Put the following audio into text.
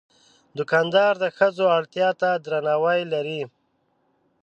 دوکاندار د ښځو اړتیا ته درناوی لري.